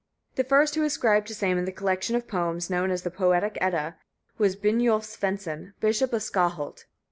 The first who ascribed to Sæmund the collection of poems known as the Poetic Edda, was Brynjolf Svensson, bishop of Skalholt.